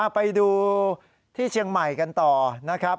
ไปดูที่เชียงใหม่กันต่อนะครับ